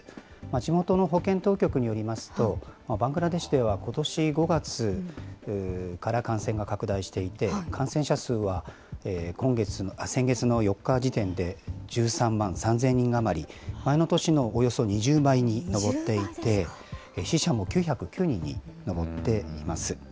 地元の保健当局によりますと、バングラデシュではことし５月から感染が拡大していて、感染者数は先月の４日時点で１３万３０００人余り、前の年のおよそ２０倍に上っていて、死者も９０９人に上っています。